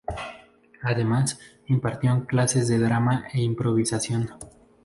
Además, impartió clases de drama e improvisación.